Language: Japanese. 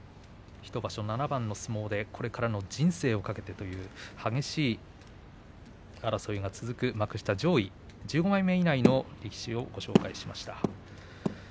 １場所７番の相撲でこれからの人生を懸けるという激しい争いが続く幕下上位１５枚目以内の力士をご紹介しました。